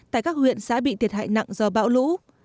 tại các huyện xã bị thiệt hại nặng do bão lũ